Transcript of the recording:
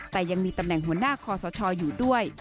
แต่ยังมีตำแหน่งหัวหน้าคอสชอยู่ด้วย